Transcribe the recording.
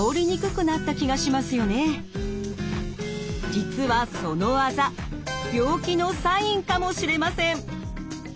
実はそのあざ病気のサインかもしれません！